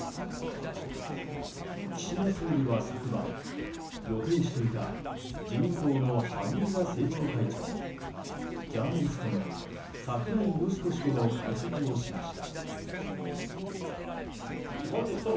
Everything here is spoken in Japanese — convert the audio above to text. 岸田総理は昨晩予定していた自民党の萩生田政調会長ジャーナリストの櫻井よしこ氏との会食をしました。